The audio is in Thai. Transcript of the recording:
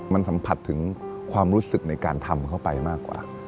มันสัมผัสถึงความรู้สึกในการทำเข้าไปมากกว่า